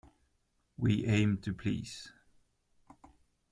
We aim to please